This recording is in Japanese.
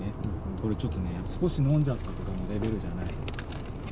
これちょっとね、少し飲んじゃったとかのレベルじゃない。